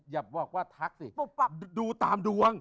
อย่าบอกว่าทักสิดูตามดวง